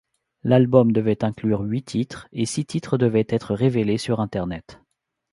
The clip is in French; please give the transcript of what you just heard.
L'album devait inclure huit titres, et six titres devaient être révélés sur internet.